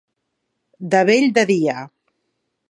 De bell de dia.